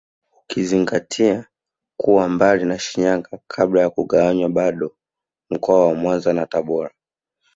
Ukizingatia kuwa mbali na Shinyanga kabla ya kugawanywa bado mkoa wa Mwanza na Tabora